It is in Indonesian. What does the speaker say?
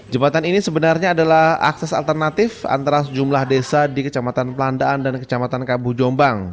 jembatan ini sebenarnya adalah akses alternatif antara sejumlah desa di kecamatan pelandaan dan kecamatan kabu jombang